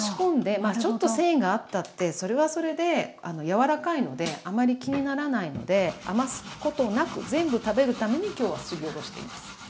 まあちょっと繊維があったってそれはそれで柔らかいのであまり気にならないので余すことなく全部食べるために今日はすりおろしています。